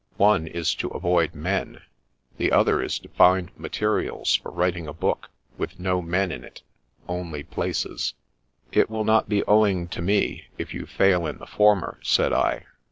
" One is to avoid men ; the other is to find materials for writing a book, with no men in it — only places." " It will not be owing to me, if you fail in the former," said I.